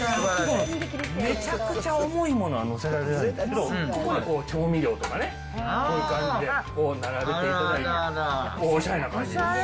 めちゃくちゃ重いものは載せられないんですけど、ここにこう調味料とかね、こういう感じで並べていただいて、おしゃれな感じに。